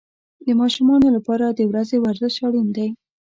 د ماشومانو لپاره د ورځې ورزش اړین دی.